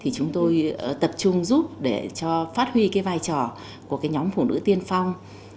chúng tôi tập trung giúp để cho phát huy vai trò của nhóm phụ nữ tiên phong